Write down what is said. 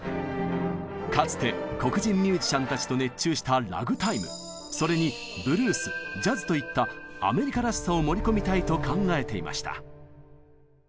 かつて黒人ミュージシャンたちと熱中したラグタイムそれにブルースジャズといったアメリカらしさを盛り込みたいと考えていました。